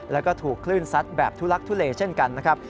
แล้วก็ถูกคลื่นซัดแบบทุลักทุเลเช่นกันนะครับ